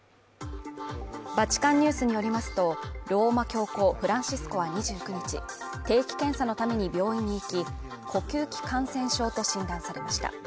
バチカンニュースによりますと、ローマ教皇フランシスコは２９日、定期検査のために病院に行き、呼吸器感染症と診断されました。